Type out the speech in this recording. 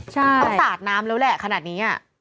เขาสาดน้ำแล้วแหละขนาดนี้